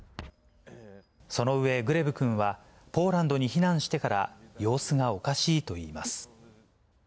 その上、グレブくんは、ポーランドに避難してから、様子がおかしいといいます。